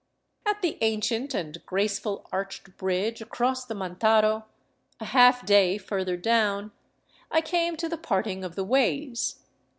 At the ancient and graceful arched bridge across the Mantaro, a half day further down, I came to the parting of the ways.